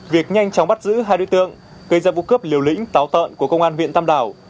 việc nhanh chóng bắt giữ hai đối tượng gây ra vụ cướp liều lĩnh táo tợn của công an huyện tam đảo